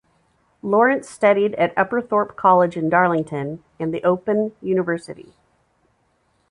Lawrence studied at Upperthorpe College in Darlington, and the Open University.